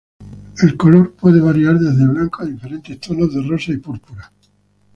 El color puede variar desde blanco a diferentes tonos de rosa y púrpura.